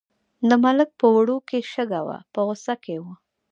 د ملک په وړو کې شګه وه په غوسه کې و.